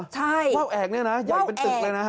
ใช่เข้าแอกเนี่ยนะใหญ่เป็นตึกเลยนะฮะ